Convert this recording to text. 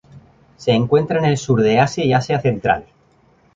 Se encuentra en el Sur de Asia y Asia central.